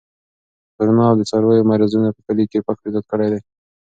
کرونا او د څارویو مرضونو په کلي کې فقر زیات کړی دی.